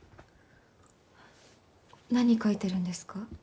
何書いてるんですか？